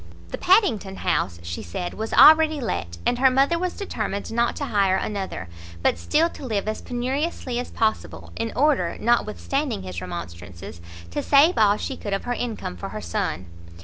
The Padington house, she said, was already let, and her mother was determined not to hire another, but still to live as penuriously as possible, in order, notwithstanding his remonstrances, to save all she could of her income for her son.